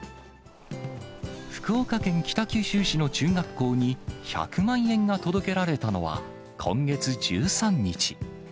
福岡県北九州市の中学校に、１００万円が届けられたのは今月１３日。